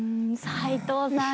齋藤さん